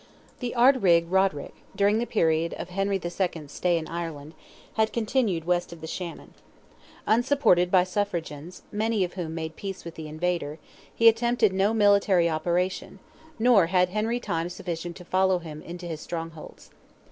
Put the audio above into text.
The Ard Righ Roderick, during the period of Henry the Second's stay in Ireland, had continued west of the Shannon. Unsupported by his suffragans, many of whom made peace with the invader, he attempted no military operation, nor had Henry time sufficient to follow him into his strongholds.